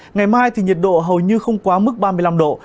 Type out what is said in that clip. ngày mai thì nhiệt độ hầu như không quá mức ba mươi năm độ